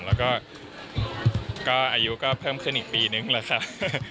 แล้วก็อายุก็เพิ่มขึ้นอีกปีนึงแล้วค่ะ